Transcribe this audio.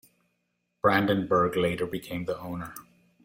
Brandenburg later became the owner.